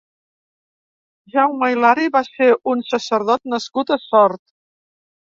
Jaume Hilari va ser un sacerdot nascut a Sort.